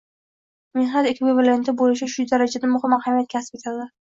mehnat “ekvivalenti” bo‘lishi shu darajada muhim ahamiyat kasb etadi.